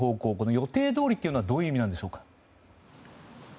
予定どおりというのはどういう意味なんでしょうか。